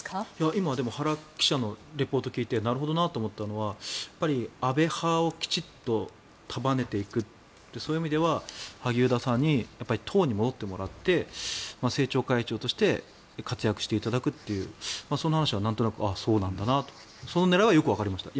今、でも原記者のリポートを聞いてなるほどなと思ったのは安倍派をきちんと束ねていくそういう意味では萩生田さんに党に戻ってもらって政調会長として活躍していただくというその話は、そうなんだなとその狙いはよくわかりました。